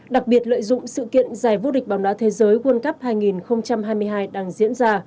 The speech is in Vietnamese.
đặc biệt lợi dụng sự kiện giải vô địch bóng đá thế giới world cup hai nghìn hai mươi hai đang diễn ra